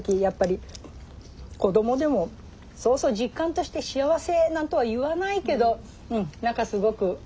やっぱり子どもでもそうそう実感として「幸せ」なんとは言わないけど何かすごく。